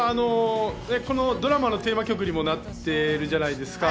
ドラマのテーマ曲にもなっているじゃないですか。